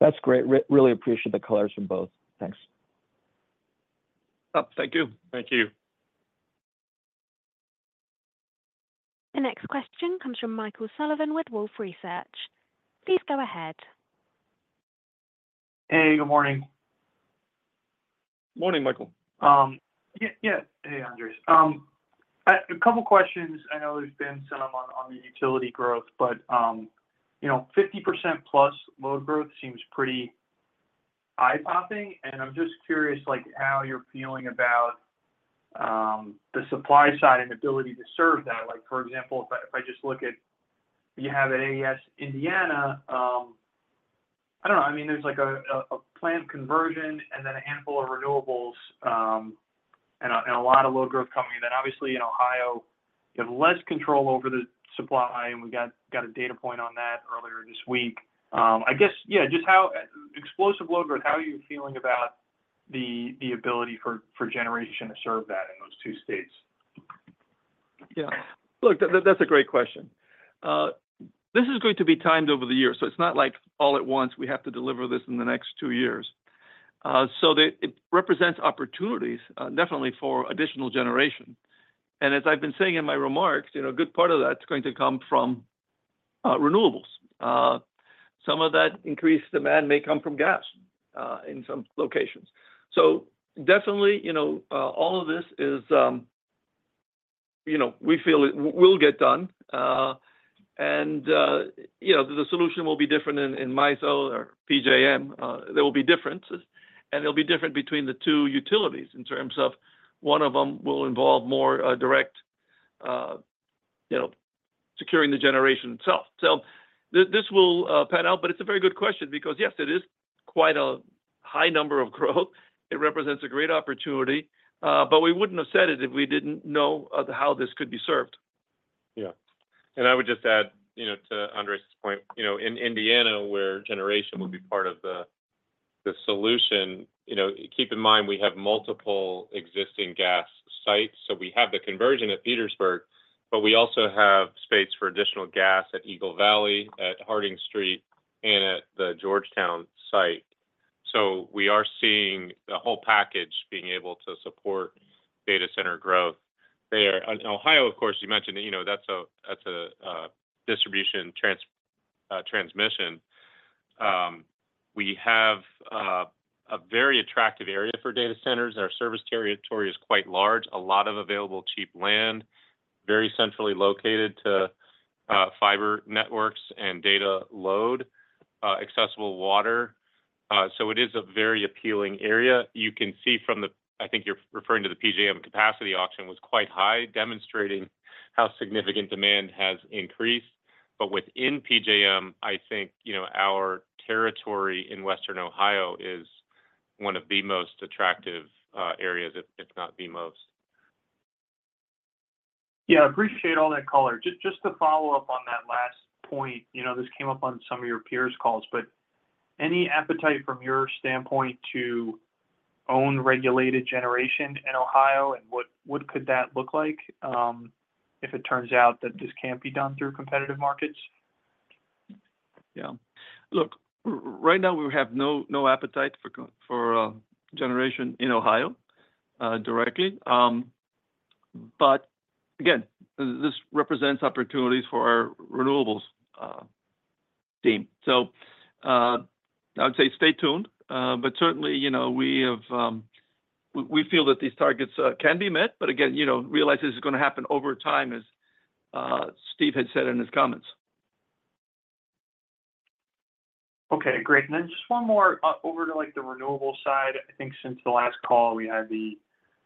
That's great. Really appreciate the colors from both. Thanks. Oh, thank you. Thank you. The next question comes from Michael Sullivan with Wolfe Research. Please go ahead. Hey, good morning. Morning, Michael. Yeah, yeah. Hey, Andrés. A couple questions. I know there's been some on the utility growth, but you know, 50% plus load growth seems pretty eye-popping, and I'm just curious, like, how you're feeling about the supply side and ability to serve that. Like, for example, if I just look at—you have AES Indiana. I don't know, I mean, there's like a planned conversion and then a handful of renewables, and a lot of load growth coming in. Then obviously in Ohio, you have less control over the supply, and we got a data point on that earlier this week. I guess, yeah, just how—explosive load growth, how are you feeling about the ability for generation to serve that in those two states? Yeah. Look, that's a great question. This is going to be timed over the years, so it's not like all at once, we have to deliver this in the next two years. So it represents opportunities, definitely for additional generation. And as I've been saying in my remarks, you know, a good part of that's going to come from renewables. Some of that increased demand may come from gas in some locations. So definitely, you know, all of this is, you know, we feel it will get done. And, you know, the solution will be different in MISO or PJM. There will be differences, and they'll be different between the two utilities in terms of one of them will involve more direct, you know, securing the generation itself. So this will pan out, but it's a very good question because, yes, it is quite a high number of growth. It represents a great opportunity, but we wouldn't have said it if we didn't know how this could be served. Yeah. And I would just add, you know, to Andrés' point, you know, in Indiana, where generation would be part of the solution, you know, keep in mind, we have multiple existing gas sites. So we have the conversion at Petersburg, but we also have space for additional gas at Eagle Valley, at Harding Street, and at the Georgetown site. So we are seeing the whole package being able to support data center growth there. In Ohio, of course, you mentioned that, you know, that's a distribution transmission. We have a very attractive area for data centers, and our service territory is quite large. A lot of available cheap land, very centrally located to fiber networks and data load, accessible water. So it is a very appealing area. You can see from the. I think you're referring to the PJM capacity auction was quite high, demonstrating how significant demand has increased. But within PJM, I think, you know, our territory in western Ohio is one of the most attractive areas, if not the most. Yeah, appreciate all that color. Just, just to follow up on that last point, you know, this came up on some of your peers' calls, but any appetite from your standpoint to own regulated generation in Ohio, and what, what could that look like, if it turns out that this can't be done through competitive markets? Yeah. Look, right now, we have no appetite for generation in Ohio directly. But again, this represents opportunities for our renewables team. So, I would say stay tuned. But certainly, you know, we have... We feel that these targets can be met, but again, you know, realize this is gonna happen over time, as Steve had said in his comments. Okay, great. And then just one more, over to, like, the renewable side. I think since the last call, we had the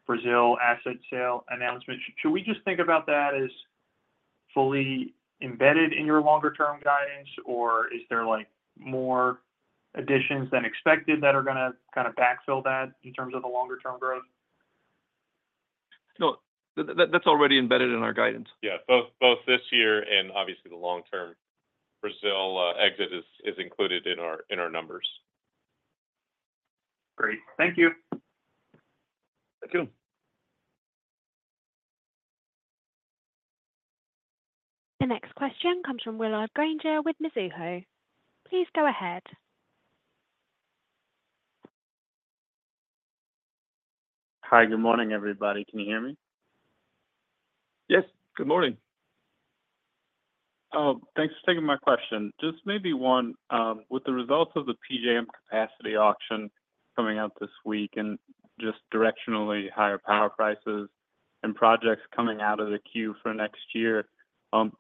Brazil asset sale announcement. Should we just think about that as fully embedded in your longer-term guidance, or is there, like, more additions than expected that are gonna kind of backfill that in terms of the longer-term growth? No, that, that's already embedded in our guidance. Yeah, both this year and obviously the long term. Brazil exit is included in our numbers. Great. Thank you. Thank you. The next question comes from Will Granger with Mizuho. Please go ahead. Hi, good morning, everybody. Can you hear me? Yes, good morning. Oh, thanks for taking my question. Just maybe one, with the results of the PJM capacity auction coming out this week, and just directionally higher power prices and projects coming out of the queue for next year,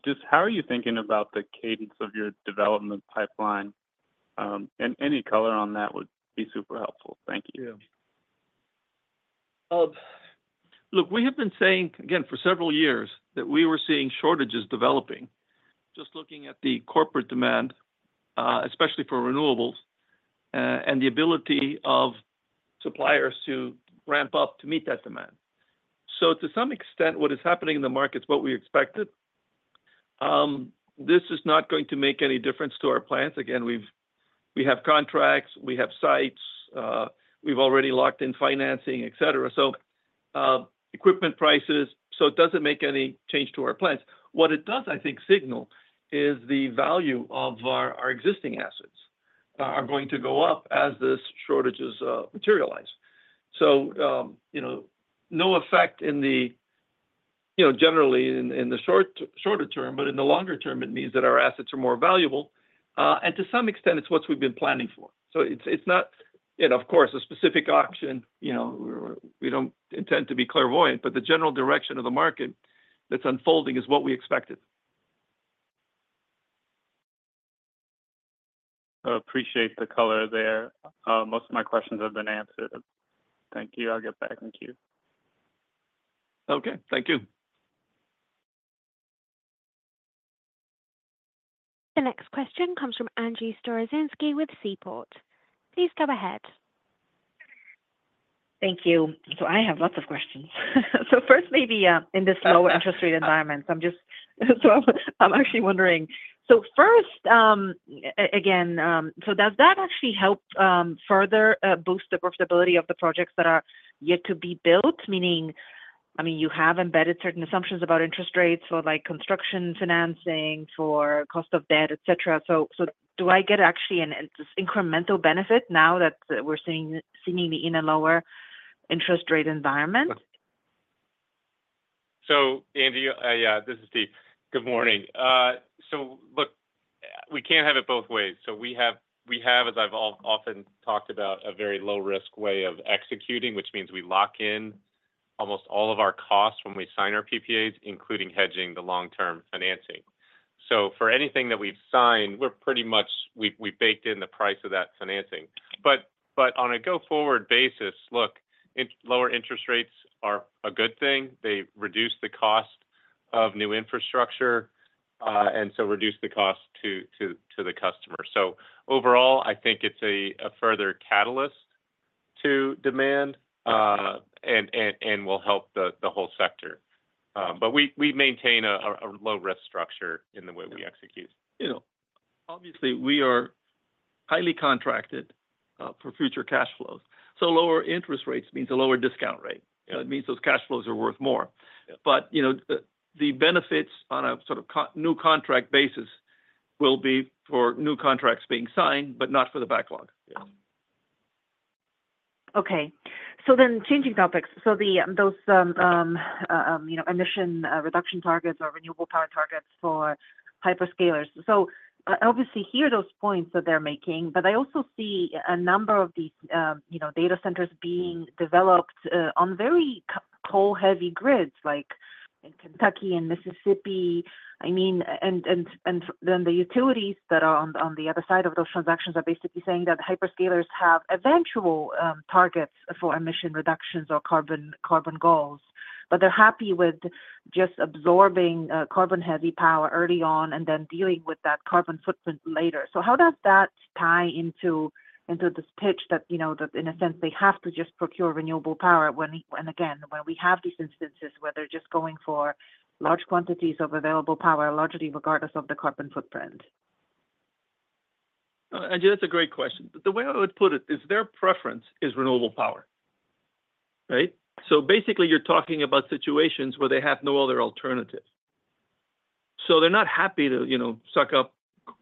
just how are you thinking about the cadence of your development pipeline? And any color on that would be super helpful. Thank you. Yeah. Look, we have been saying, again, for several years, that we were seeing shortages developing, just looking at the corporate demand, especially for renewables, and the ability of suppliers to ramp up to meet that demand. So to some extent, what is happening in the market is what we expected. This is not going to make any difference to our plans. Again, we've-- we have contracts, we have sites, we've already locked in financing, et cetera. So, equipment prices-- So it doesn't make any change to our plans. What it does, I think, signal, is the value of our, our existing assets, are going to go up as the shortages, materialize. So, you know, no effect in the... You know, generally in, in the short, shorter term, but in the longer term, it means that our assets are more valuable. And to some extent, it's what we've been planning for. So it's not. You know, of course, a specific auction, you know, we don't intend to be clairvoyant, but the general direction of the market that's unfolding is what we expected. I appreciate the color there. Most of my questions have been answered. Thank you. I'll get back in queue. Okay. Thank you. The next question comes from Angie Storozynski with Seaport. Please go ahead. Thank you. So I have lots of questions. So first maybe, in this lower interest rate environment, I'm just. So I'm actually wondering: So first, again, so does that actually help further boost the profitability of the projects that are yet to be built, meaning, I mean, you have embedded certain assumptions about interest rates for, like, construction financing, for cost of debt, et cetera. So do I get actually an incremental benefit now that we're seeing me in a lower interest rate environment? So Angie, yeah, this is Steve. Good morning. So look, we can't have it both ways. So we have, as I've often talked about, a very low-risk way of executing, which means we lock in almost all of our costs when we sign our PPAs, including hedging the long-term financing. So for anything that we've signed, we're pretty much baked in the price of that financing. But on a go-forward basis, look, lower interest rates are a good thing. They reduce the cost of new infrastructure and so reduce the cost to the customer. So overall, I think it's a further catalyst to demand and will help the whole sector. But we maintain a low-risk structure in the way we execute. You know, obviously, we are highly contracted for future cash flows. So lower interest rates means a lower discount rate. You know, it means those cash flows are worth more. But, you know, the benefits on a sort of co- new contract basis will be for new contracts being signed, but not for the backlog. Yeah. Okay. So then changing topics. So the those you know emission reduction targets or renewable power targets for hyperscalers. So obviously hear those points that they're making, but I also see a number of these you know data centers being developed on very coal-heavy grids, like in Kentucky and Mississippi. I mean, and then the utilities that are on the other side of those transactions are basically saying that hyperscalers have eventual targets for emission reductions or carbon goals. But they're happy with just absorbing carbon-heavy power early on and then dealing with that carbon footprint later. So how does that tie into this pitch that, you know, that in a sense, they have to just procure renewable power, when—and again, when we have these instances where they're just going for large quantities of available power, largely regardless of the carbon footprint? Angie, that's a great question. But the way I would put it is their preference is renewable power, right? So basically, you're talking about situations where they have no other alternative. So they're not happy to, you know, suck up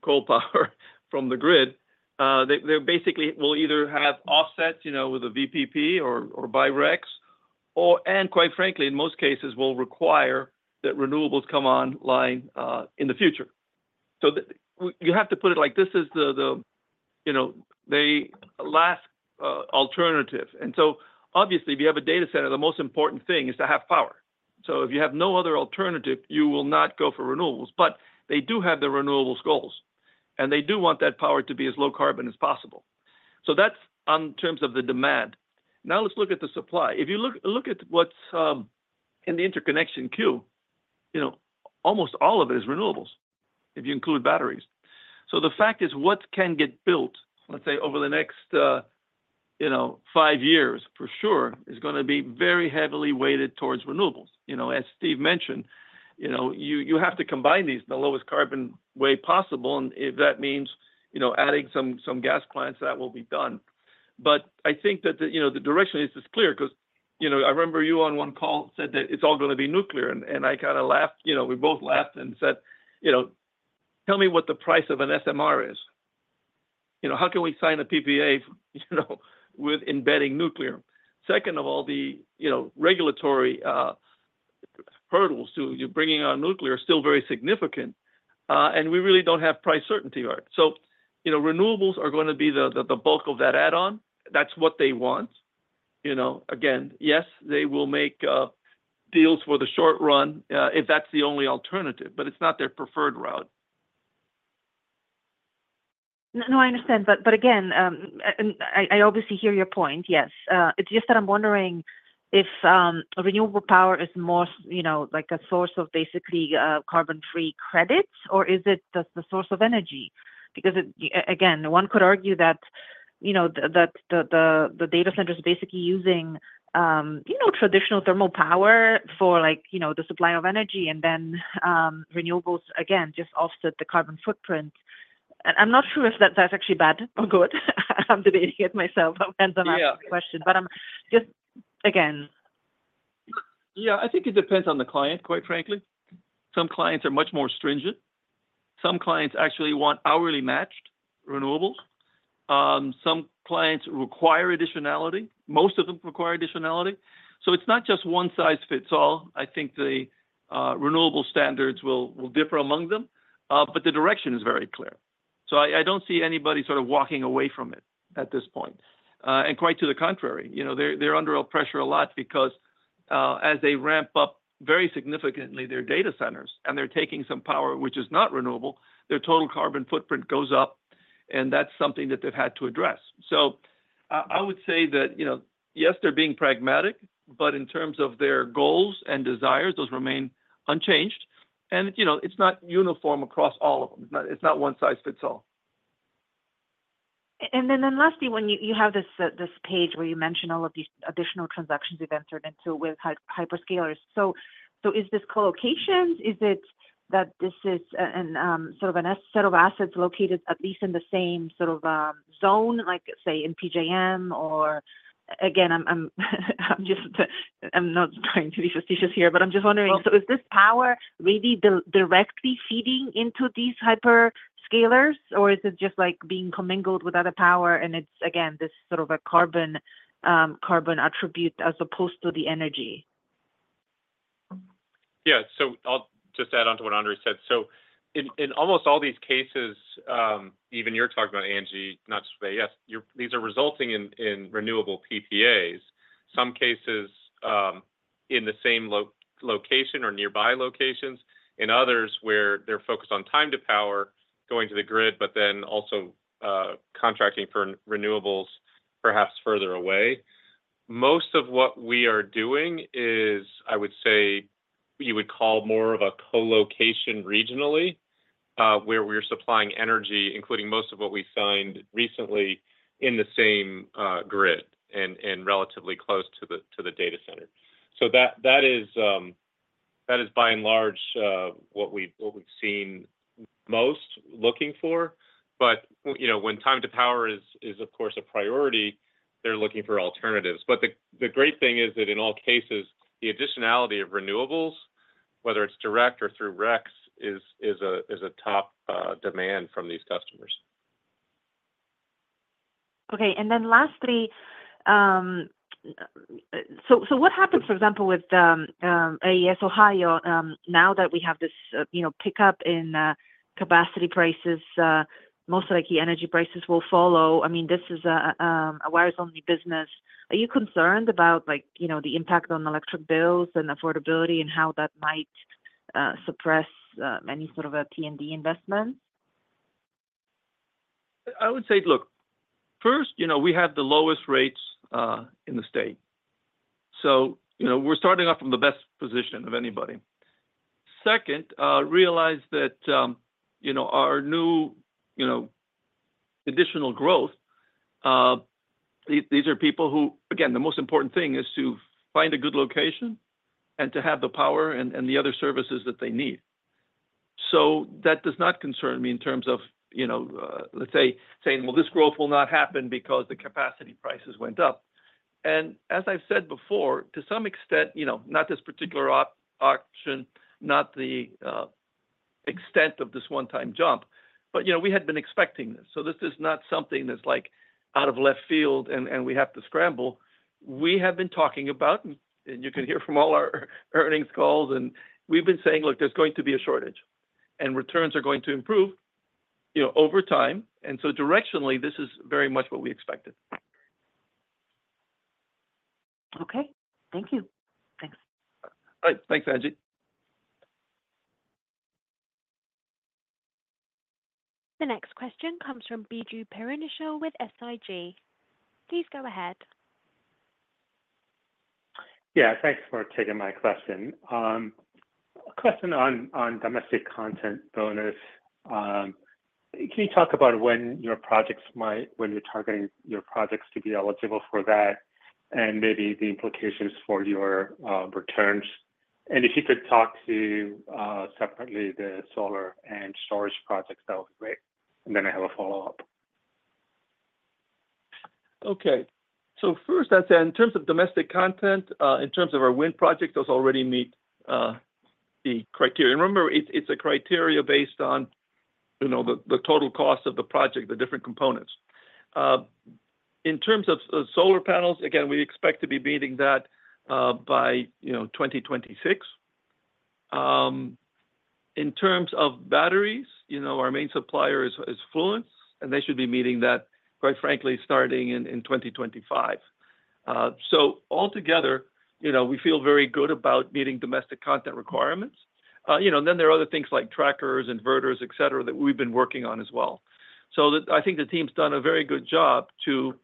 coal power from the grid. They basically will either have offsets, you know, with a VPP or buy RECs, or, and quite frankly, in most cases, will require that renewables come online in the future. So you have to put it like this is the, the, you know, the last alternative. And so obviously, if you have a data center, the most important thing is to have power. So if you have no other alternative, you will not go for renewables, but they do have the renewables goals, and they do want that power to be as low carbon as possible. So that's on terms of the demand. Now, let's look at the supply. If you look at what's in the interconnection queue, you know, almost all of it is renewables, if you include batteries. So the fact is, what can get built, let's say, over the next, you know, 5 years, for sure, is gonna be very heavily weighted towards renewables. You know, as Steve mentioned, you know, you have to combine these in the lowest carbon way possible, and if that means, you know, adding some gas plants, that will be done. But I think that the, you know, the direction is clear because, you know, I remember you on one call said that it's all gonna be nuclear, and I kinda laughed. You know, we both laughed and said, "You know, tell me what the price of an SMR is. You know, how can we sign a PPA, you know, with embedding nuclear? Second of all, the, you know, regulatory hurdles to you bringing on nuclear are still very significant, and we really don't have price certainty on it. So, you know, renewables are gonna be the bulk of that add-on. That's what they want. You know, again, yes, they will make deals for the short run, if that's the only alternative, but it's not their preferred route. No, I understand. But again, and I obviously hear your point, yes. It's just that I'm wondering if renewable power is more, you know, like a source of basically carbon-free credits, or is it the source of energy? Because it again, one could argue that, you know, the data center is basically using, you know, traditional thermal power for like, you know, the supply of energy and then renewables again just offset the carbon footprint. And I'm not sure if that's actually bad or good. I'm debating it myself, hence I'm asking the question. Yeah. But I'm just... Again. Yeah, I think it depends on the client, quite frankly. Some clients are much more stringent. Some clients actually want hourly matched renewables. Some clients require additionality. Most of them require additionality. So it's not just one size fits all. I think the renewable standards will differ among them, but the direction is very clear. So I don't see anybody sort of walking away from it at this point. And quite to the contrary, you know, they're under a pressure a lot because as they ramp up very significantly their data centers and they're taking some power, which is not renewable, their total carbon footprint goes up, and that's something that they've had to address. So I would say that, you know, yes, they're being pragmatic, but in terms of their goals and desires, those remain unchanged. You know, it's not uniform across all of them. It's not, it's not one size fits all. Then lastly, when you have this page where you mention all of these additional transactions you've entered into with hyperscalers. So is this co-location? Is it that this is a sort of a set of assets located at least in the same sort of zone, like, say, in PJM, or again, I'm just not trying to be fastidious here, but I'm just wondering? Well- So is this power really directly feeding into these hyperscalers, or is it just, like, being commingled with other power, and it's, again, this sort of a carbon attribute as opposed to the energy? Yeah. So I'll just add on to what Andrés said. So in almost all these cases, even you're talking about, Angie, these are resulting in renewable PPAs. Some cases, in the same location or nearby locations, in others where they're focused on time to power, going to the grid, but then also, contracting for renewables, perhaps further away. Most of what we are doing is, I would say, you would call more of a co-location regionally, where we're supplying energy, including most of what we signed recently in the same grid and relatively close to the data center. So that is by and large what we, what we've seen most looking for. But, you know, when time to power is, of course, a priority, they're looking for alternatives. But the great thing is that in all cases, the additionality of renewables, whether it's direct or through RECs, is a top demand from these customers. Okay, and then lastly, what happens, for example, with AES Ohio, now that we have this, you know, pickup in capacity prices, most of the key energy prices will follow. I mean, this is a wires-only business. Are you concerned about, like, you know, the impact on electric bills and affordability and how that might suppress any sort of a T&D investment? I would say, look, first, you know, we have the lowest rates in the state. So, you know, we're starting off from the best position of anybody. Second, realize that, you know, our new, you know, additional growth, these are people who—again, the most important thing is to find a good location and to have the power and the other services that they need. So that does not concern me in terms of, you know, let's say, saying, "Well, this growth will not happen because the capacity prices went up." And as I've said before, to some extent, you know, not this particular auction, not the extent of this one-time jump, but, you know, we had been expecting this. So this is not something that's, like, out of left field, and we have to scramble. We have been talking about, and you can hear from all our earnings calls, and we've been saying, "Look, there's going to be a shortage, and returns are going to improve, you know, over time." And so directionally, this is very much what we expected. Okay. Thank you. Thanks. All right. Thanks, Angie. The next question comes from Biju Perincheril with SIG. Please go ahead. Yeah, thanks for taking my question. A question on domestic content bonus. Can you talk about when you're targeting your projects to be eligible for that, and maybe the implications for your returns? And if you could talk to separately, the solar and storage projects, that would be great. And then I have a follow-up. Okay. So first, I'd say in terms of domestic content, in terms of our wind project, those already meet the criteria. Remember, it's a criteria based on, you know, the total cost of the project, the different components. In terms of solar panels, again, we expect to be meeting that by, you know, 2026. In terms of batteries, you know, our main supplier is Fluence, and they should be meeting that, quite frankly, starting in 2025. So altogether, you know, we feel very good about meeting domestic content requirements. You know, and then there are other things like trackers, inverters, et cetera, that we've been working on as well. So, I think the team's done a very good job to,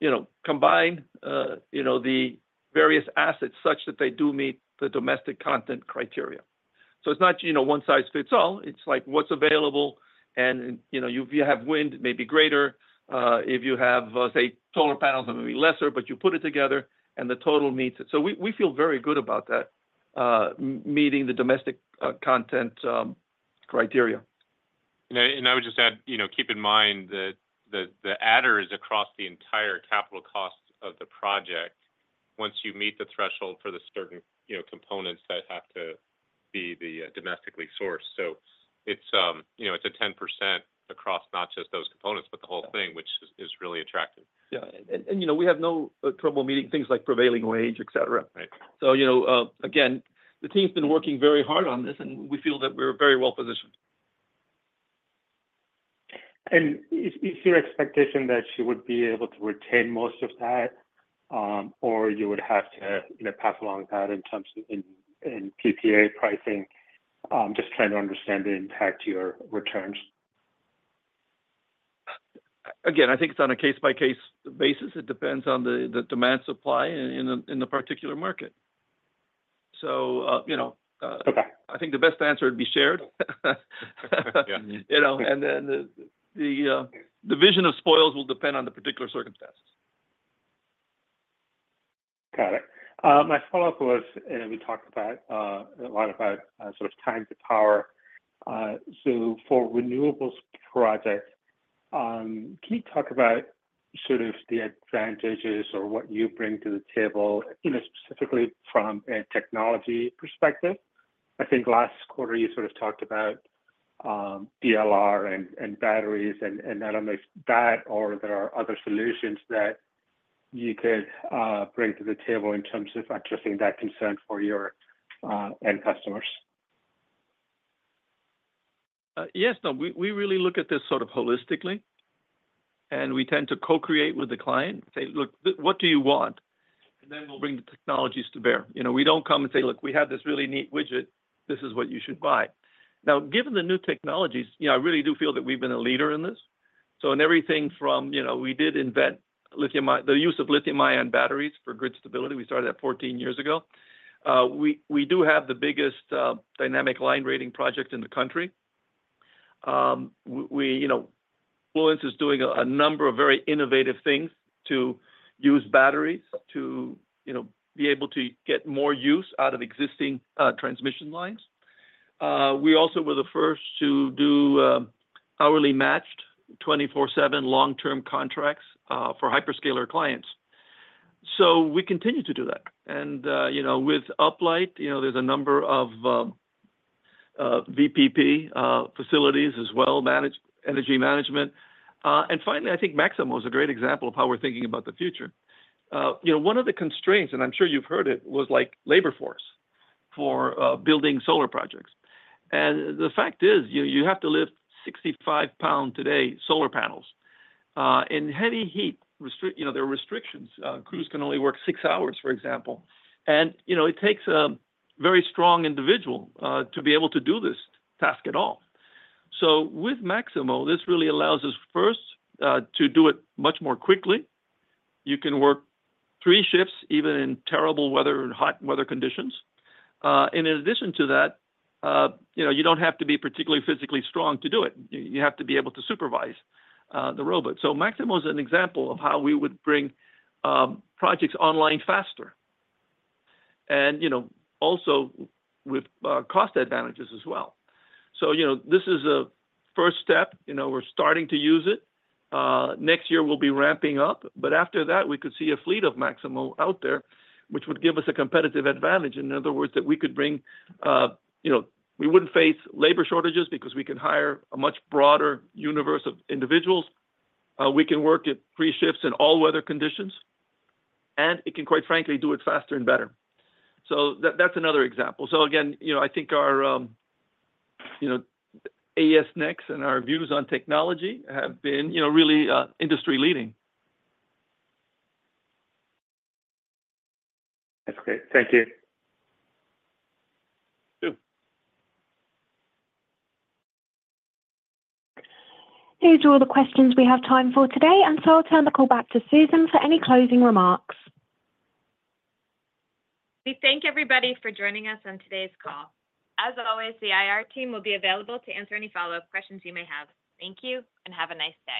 you know, combine, you know, the various assets such that they do meet the domestic content criteria. So it's not, you know, one size fits all. It's like, what's available, and, you know, if you have wind, it may be greater. If you have, say, solar panels, it may be lesser, but you put it together, and the total meets it. So we feel very good about that, meeting the domestic content criteria. I would just add, you know, keep in mind that the adder is across the entire capital cost of the project once you meet the threshold for the certain components that have to be domestically sourced. So it's, you know, it's a 10% across not just those components, but the whole thing, which is really attractive. Yeah. And, you know, we have no trouble meeting things like prevailing wage, et cetera. Right. So, you know, again, the team's been working very hard on this, and we feel that we're very well positioned. Is your expectation that you would be able to retain most of that, or you would have to, you know, pass along that in terms of PPA pricing? Just trying to understand the impact to your returns. Again, I think it's on a case-by-case basis. It depends on the demand supply in the particular market. So, you know, Okay. I think the best answer would be shared. Yeah. You know, and then the vision of spoils will depend on the particular circumstance. My follow-up was, and we talked about a lot about sort of time to power. So for renewables projects, can you talk about sort of the advantages or what you bring to the table, you know, specifically from a technology perspective? I think last quarter you sort of talked about DLR and batteries, and I don't know if that or there are other solutions that you could bring to the table in terms of addressing that concern for your end customers. Yes. No, we really look at this sort of holistically, and we tend to co-create with the client. Say, "Look, what do you want?" And then we'll bring the technologies to bear. You know, we don't come and say: Look, we have this really neat widget. This is what you should buy. Now, given the new technologies, you know, I really do feel that we've been a leader in this. So in everything from, you know, we did invent lithium-ion... The use of lithium-ion batteries for grid stability, we started that 14 years ago. We do have the biggest dynamic line rating project in the country. We, you know, Fluence is doing a number of very innovative things to use batteries to, you know, be able to get more use out of existing transmission lines. We also were the first to do hourly matched 24/7 long-term contracts for hyperscaler clients. So we continue to do that. And you know, with Uplight, you know, there's a number of VPP facilities as well, managed energy management. And finally, I think Maximo is a great example of how we're thinking about the future. You know, one of the constraints, and I'm sure you've heard it, was like labor force for building solar projects. And the fact is, you have to lift 65-pound solar panels in heavy heat. You know, there are restrictions. Crews can only work six hours, for example. And you know, it takes a very strong individual to be able to do this task at all. So with Maximo, this really allows us, first, to do it much more quickly. You can work three shifts, even in terrible weather and hot weather conditions. And in addition to that, you know, you don't have to be particularly physically strong to do it. You have to be able to supervise the robot. So Maximo is an example of how we would bring projects online faster and, you know, also with cost advantages as well. So, you know, this is a first step. You know, we're starting to use it. Next year we'll be ramping up, but after that, we could see a fleet of Maximo out there, which would give us a competitive advantage. In other words, that we could bring, you know, we wouldn't face labor shortages because we can hire a much broader universe of individuals. We can work at three shifts in all weather conditions, and it can, quite frankly, do it faster and better. So that, that's another example. So again, you know, I think our, you know, AES Next and our views on technology have been, you know, really, industry-leading. That's great. Thank you. Sure. These are all the questions we have time for today, and so I'll turn the call back to Susan for any closing remarks. We thank everybody for joining us on today's call. As always, the IR team will be available to answer any follow-up questions you may have. Thank you, and have a nice day.